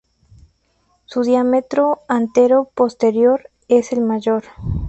Su diámetro antero-posterior es el mayor.